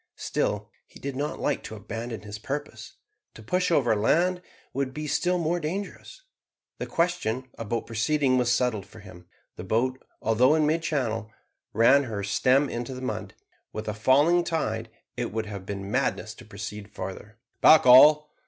Still he did not like to abandon his purpose. To push over land would be still more dangerous. The question about proceeding was settled for him. The boat, although in mid channel, ran her stem into the mud. With a falling tide it would have been madness to proceed farther. "Back all!"